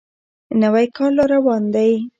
نوی کال را روان دی.